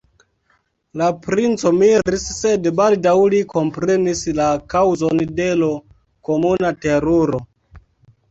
La princo miris, sed baldaŭ li komprenis la kaŭzon de l' komuna teruro.